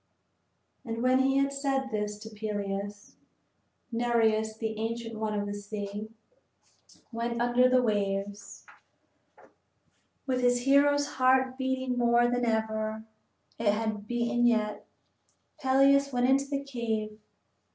And when he had said this to Peleus, Nereus, the ancient one of the sea, went under the waves. II With his hero's heart beating more than ever it had beaten yet, Peleus went into the cave.